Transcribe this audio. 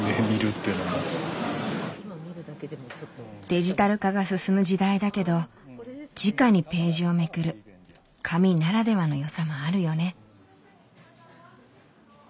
デジタル化が進む時代だけどじかにページをめくる紙ならではのよさもあるよね。